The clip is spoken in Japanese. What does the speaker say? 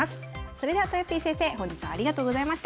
それではとよぴー先生本日はありがとうございました。